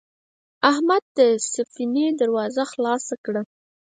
احمد د سفینې دروازه خلاصه کړه.